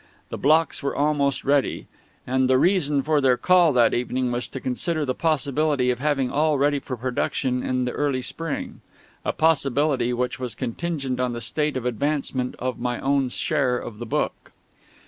The blocks were almost ready; and the reason for their call that evening was to consider the possibility of having all ready for production in the early spring a possibility which was contingent on the state of advancement of my own share of the book.